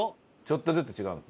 ちょっとずつ違う。